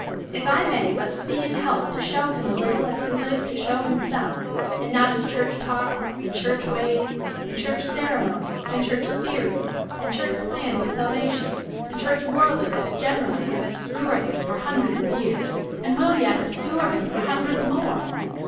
If I may but see and help to show him a little as he lived to show himself, and not as church talk and church ways and church ceremonies and church theories and church plans of salvation and church worldliness generally have obscured him for hundreds of years, and will yet obscure him for hundreds more!